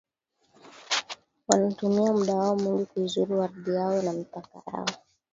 Wanatumia muda wao mwingi kuizuru ardhi yao na mipaka yao